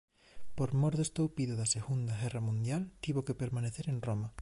Por mor do estoupido da Segunda Guerra Mundial tivo que permanecer en Roma.